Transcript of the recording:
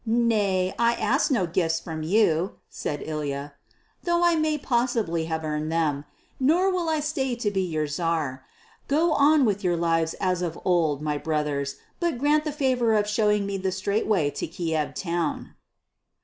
"Nay, I ask no gifts from you," said Ilya, "though I may possibly have earned them, nor will I stay to be your Tsar. Go on with your lives as of old, my brothers, but grant the favour of showing me the straight way to Kiev town."